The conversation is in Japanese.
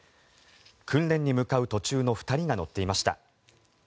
訓練に向かう途中の２人が乗っていました。